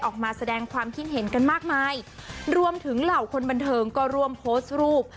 ออกมาแสดงความคิดเห็นกันมากมายรวมถึงเหล่าคนบันเทิงก็ร่วมโพสต์รูป